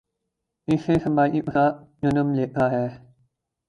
اس سے سماجی فساد جنم لیتا ہے۔